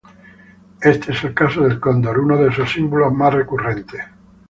Este es el caso del cóndor, uno de sus símbolos más recurrentes.